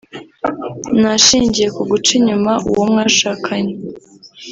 ni ashingiye ku guca inyuma uwo mwashakanye